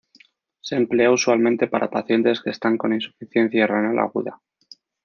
Se emplea usualmente para pacientes que están con insuficiencia renal aguda.